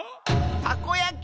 たこやき！